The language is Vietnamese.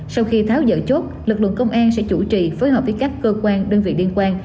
sau khi tháo dỡ chốt lực lượng công an sẽ chủ trì phối hợp với các cơ quan đơn vị liên quan